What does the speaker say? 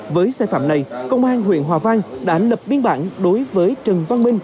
với xe phạm này công an huyện hòa vang đã ảnh lập biên bản đối với trần văn minh sinh một nghìn chín trăm chín mươi bảy